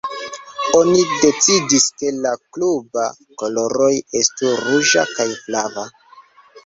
Oni decidis ke la klubaj koloroj estu ruĝa kaj flava.